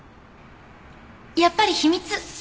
やっぱり秘密！